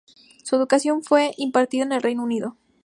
Su educación fue impartida en el Reino Unido.